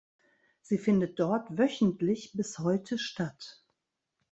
Sie findet dort wöchentlich bis heute statt.